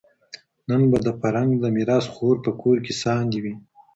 نن به د فرنګ د میراث خور په کور کي ساندي وي